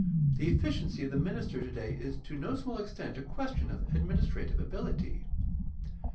The efficiency of the minister today is to no small extent a question of administrative ability.